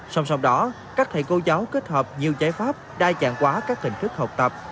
song song đó các thầy cô giáo kết hợp nhiều giải pháp đa dạng quá các hình thức học tập